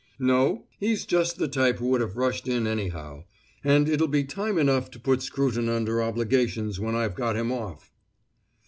"No. He's just the type who would have rushed in, anyhow. And it'll be time enough to put Scruton under obligations when I've got him off!"